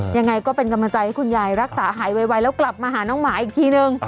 ยังไงก็เป็นกำลังใจให้คุณยายรักษาหายไวแล้วกลับมาหาน้องหมาอีกทีนึง